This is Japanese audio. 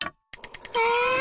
え！